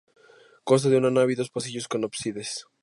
Consta de una nave y dos pasillos con ábsides.